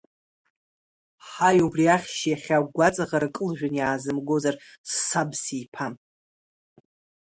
Ҳаи убри ахьшь иахьа агәаҵаӷара кылжәаны иаазымгозар саб сиԥам!